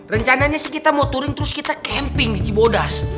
rencananya sih kita mau turun terus kita camping di cibodas